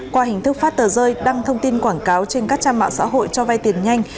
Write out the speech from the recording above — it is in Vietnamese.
qua hình thức phát tờ rơi đăng thông tin quảng cáo trên các trang mạng xã hội cho vay tiền nhanh